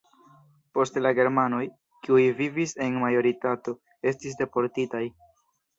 Poste la germanoj, kiuj vivis en majoritato, estis deportitaj.